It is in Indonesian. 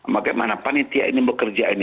bagaimana panitia ini bekerja ini